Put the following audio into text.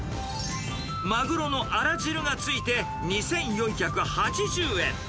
マグロのあら汁が付いて、２４８０円。